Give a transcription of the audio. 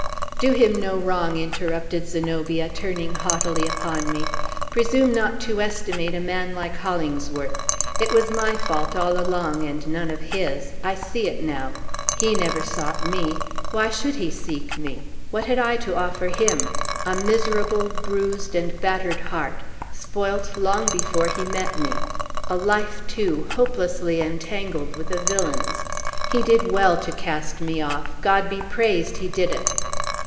"Do him no wrong," interrupted Zenobia, turning haughtily upon me. "Presume not to estimate a man like Hollingsworth. It was my fault, all along, and none of his. I see it now! He never sought me. Why should he seek me? What had I to offer him? A miserable, bruised, and battered heart, spoilt long before he met me. A life, too, hopelessly entangled with a villain's! He did well to cast me off. God be praised, he did it!